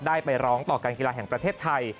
ไปร้องต่อการกีฬาแห่งประเทศไทย